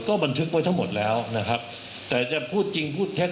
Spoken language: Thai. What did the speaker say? ก็บันทึกไว้ทั้งหมดแล้วนะครับแต่จะพูดจริงพูดเท็จ